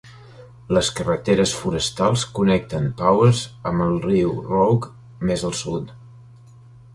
Les carreteres forestals connecten Powers amb el riu Rogue, més al sud.